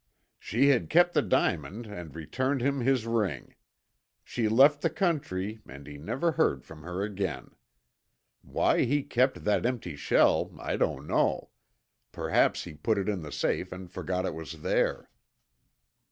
"She had kept the diamond and returned him his ring. She left the country and he never heard from her again. Why he kept that empty shell I don't know. Perhaps he put it in the safe and forgot it was there."